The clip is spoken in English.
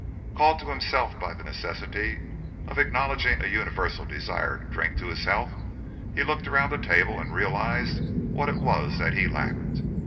Called to himself by the necessity of acknowledging a universal desire to drink his health, he looked around the table and realised what it was that he lacked.